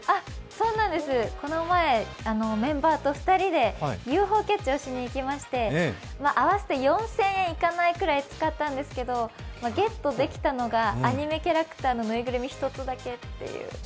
そうなんです、この前メンバーと２人でＵＦＯキャッチャーをしてきまして合わせて４０００円いかないくらい使ったんですけど、ゲットできたのがアニメキャラクターのぬいぐるみ１つだけ。